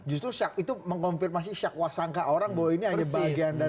justru itu mengkonfirmasi syakwa sangka orang bahwa ini hanya bagian dari